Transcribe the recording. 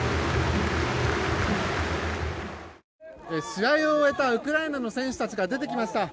試合を終えたウクライナの選手たちが出てきました。